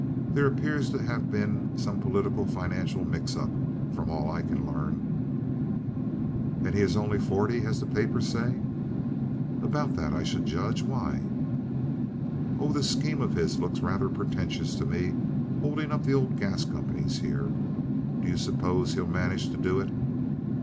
There appears to have been some political financial mix up, from all I can learn." "And is he only forty, as the papers say?" "About that, I should judge. Why?" "Oh, this scheme of his looks rather pretentious to me—holding up the old gas companies here. Do you suppose he'll manage to do it?"